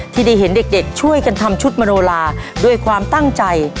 ที่ได้เห็นเด็กช่วยกันทำชุดมโนลาด้วยความตั้งใจ